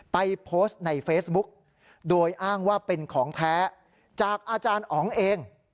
ไปโพสต์ในเฟซบุ๊กโดยอ้างว่าเป็นของแท้จากอาจารย์อ๋องเอง